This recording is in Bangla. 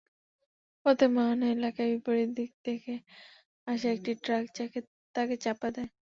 পথে মাহনা এলাকায় বিপরীত দিক থেকে আসা একটি ট্রাক তাঁকে চাপা দেয়।